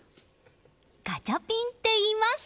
ガチャピンっていいます。